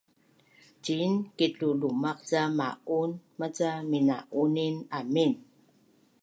ciin kitlulumaq ca ma’un maca mina’unin amin